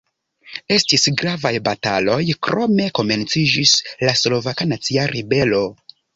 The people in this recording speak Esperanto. Estis gravaj bataloj, krome komenciĝis la Slovaka Nacia Ribelo.